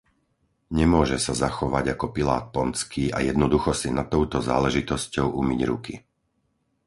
Nemôže sa zachovať ako Pilát Pontský a jednoducho si nad touto záležitosťou umyť ruky.